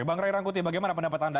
bang ray rangkuti bagaimana pendapat anda